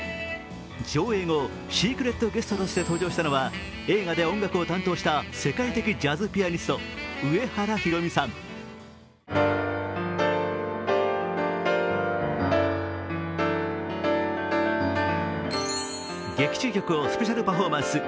上映後、シークレットゲストとして登場したのは映画で音楽を担当した世界的ジャズピアニスト上原ひろみさん。劇中曲をスペシャルパフォーマンス。